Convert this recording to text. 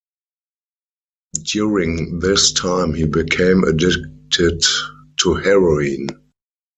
During this time he became addicted to heroin.